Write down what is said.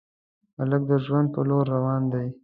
هلک د ژوند په لور روان دی.